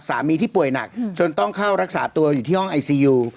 ที่ป่วยหนักจนต้องเข้ารักษาตัวอยู่ที่ห้องไอซียู